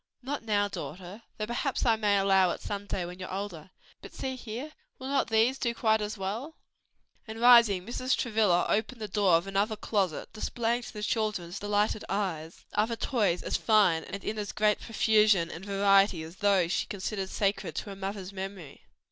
"Not now, daughter, though perhaps I may allow it some day when you are older. But see here! will not these do quite as well?" And rising, Mrs. Travilla opened the door of another closet displaying to the children's delighted eyes other toys as fine and in as great profusion and variety as those she considered sacred to her mother's memory.